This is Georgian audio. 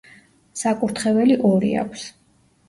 საკურთხეველი ორი აქვს.